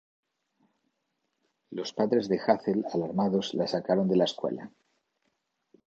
Los padres de Hazel, alarmados, la sacaron de la escuela.